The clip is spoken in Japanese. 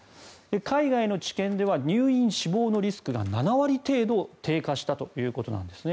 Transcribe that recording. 海外の治験では入院・死亡のリスクが７割程度低下したということです。